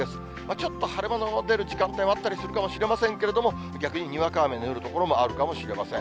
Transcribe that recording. ちょっと晴れ間の出る時間帯もあったりするかもしれませんけれども、逆ににわか雨の降る所もあるかもしれません。